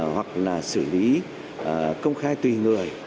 hoặc là xử lý công khai tùy người